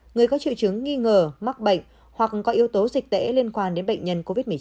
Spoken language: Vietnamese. người có triệu chứng nghi ngờ mắc bệnh hoặc có yếu tố dịch tễ liên quan đến bệnh nhân covid một mươi chín